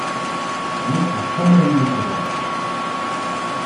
Nekk d tamaynut da.